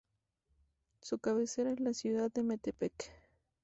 Su cabecera es la ciudad de Metepec.